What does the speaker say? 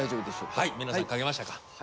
はい皆さん書けましたか？